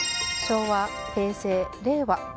昭和・平成・令和。